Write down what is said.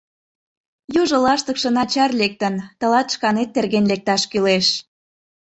— Южо лаштыкше начар лектын, тылат шканет терген лекташ кӱлеш.